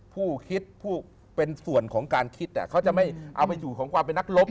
ผู้คิดผู้เป็นส่วนของการคิดเขาจะไม่เอาไปอยู่ของความเป็นนักรบ